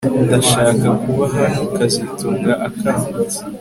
Ndashaka kuba hano kazitunga akangutse